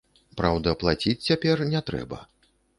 Праўда, плаціць цяпер не трэба.